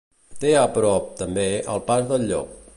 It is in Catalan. Té a prop, també, el Pas del Llop.